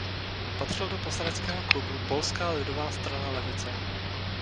Patřil do poslaneckého klubu Polská lidová strana levice.